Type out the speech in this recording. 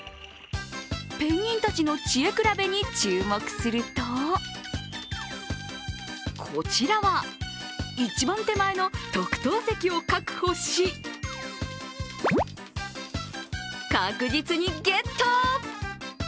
ペンギンたちの知恵比べに注目するとこちらは１番手前の特等席を確保し確実にゲット！